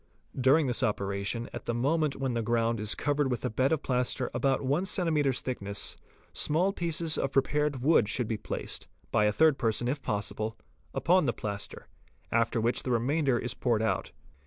During this operation, at the moment when the ground is covered with a bed of plaster of about one centimeter's thickness, small _ pieces of prepared wood should be placed, by a third person if rn possible, upon the plaster, after which the remainder is poured out.